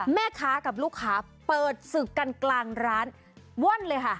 แม่ค้ากับลูกค้าเปิดศึกกันกลางร้านว่อนเลยค่ะ